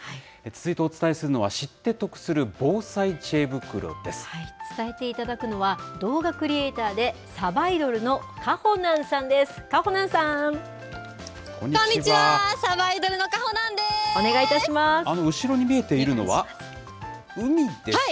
続いてお伝えするのは、伝えていただくのは、動画クリエイターでさばいどるのかほなんさんです。